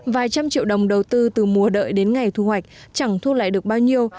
vài trăm triệu đồng đầu tư từ mùa đợi đến ngày thu hoạch chẳng thu lại được bao nhiêu